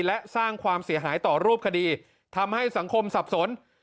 และสร้างความเสียหายต่อรูปคดีทำให้สังคมสับสน